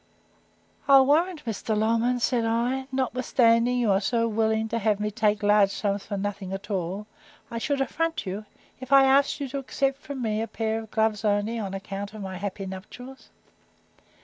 I'll warrant, Mr. Longman, said I, notwithstanding you are so willing to have me take large sums for nothing at all, I should affront you, if I asked you to accept from me a pair of gloves only, on account of my happy nuptials.